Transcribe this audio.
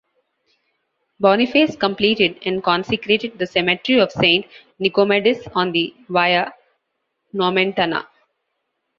Boniface completed and consecrated the cemetery of Saint Nicomedes on the Via Nomentana.